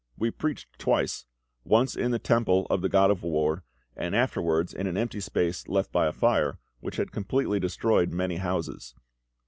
We preached twice once in the temple of the God of War, and afterwards in an empty space left by a fire, which had completely destroyed many houses.